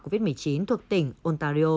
covid một mươi chín thuộc tỉnh ontario